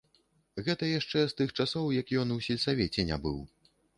Гэта яшчэ з тых часоў, як ён у сельсавеце не быў.